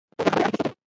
تودې خبرې اړیکې سوځوي.